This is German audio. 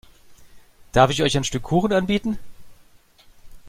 Darf ich euch ein Stück Kuchen anbieten?